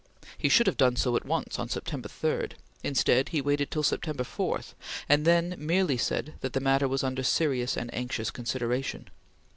He should have done so at once, on September 3. Instead he waited till September 4, and then merely said that the matter was under "serious and anxious consideration."